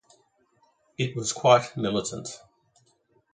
It was quite militant.